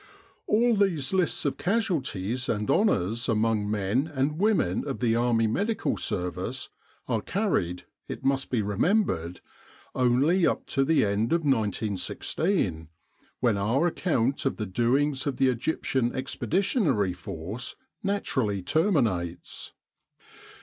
All these lists of casualties and honours among men and women of the Army Medical Service are carried, it must be remembered, only up to the end of 1916, when our account of the doings of the Egyptian Expeditionary Force naturally terminates.